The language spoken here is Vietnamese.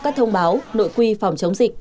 các thông báo nội quy phòng chống dịch